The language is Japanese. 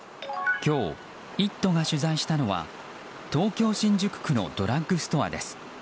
今日「イット！」が取材したのは東京・新宿区のドラッグストアです。